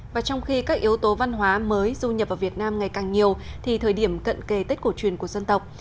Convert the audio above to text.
và trong khi các yếu tố văn hóa mới du nhập vào việt nam ngày càng nhiều thì thời điểm cận kề tết cổ truyền của dân tộc